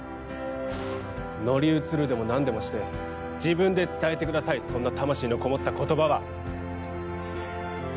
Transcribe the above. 乗り移るでも何でもして自分で言ってください、そんな魂のこもった言葉は。